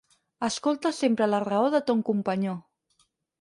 Escolta sempre la raó de ton companyó.